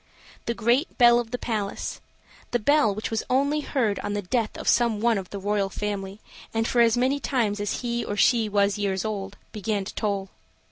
The great bell of the palace the bell which was only heard on the death of some one of the royal family, and for as many times as he or she was years old began to toll.